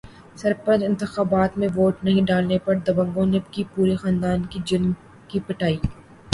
سرپنچ انتخابات میں ووٹ نہیں ڈالنے پر دبنگوں نے کی پورے خاندان کی جم کر پٹائی